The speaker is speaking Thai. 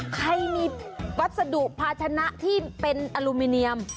ใครมีวัสดุภาชนะที่เป็นอลูมิเนียม